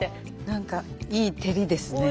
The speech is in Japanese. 何かいい照りですね。